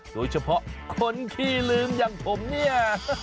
โดยเฉพาะคนขี้ลืมอย่างผมเนี่ย